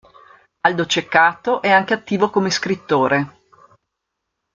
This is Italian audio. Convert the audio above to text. Aldo Ceccato è anche attivo come scrittore.